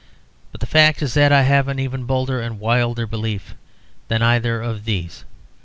But the fact is that I have an even bolder and wilder belief than either of these.